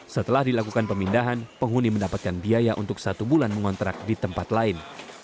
setelah dilakukan pemindahan penghuni mendapatkan biaya untuk satu bulan mengontrak di tempat lain